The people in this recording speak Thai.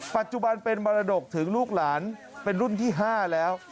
ปัจจุบันเป็นมรดกถึงลูกหลานเป็นรุ่นที่๕แล้ว